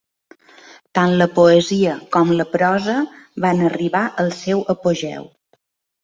Tant la poesia com la prosa van arribar al seu apogeu.